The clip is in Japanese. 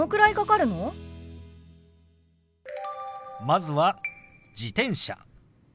まずは「自転車」。